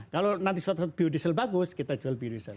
kalau nanti suatu biodiesel bagus kita jual biodiesel